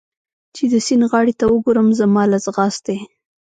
چې د سیند غاړې ته وګورم، زما له ځغاستې.